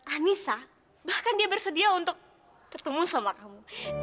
anissa bahkan dia bersedia untuk ketemu sama kamu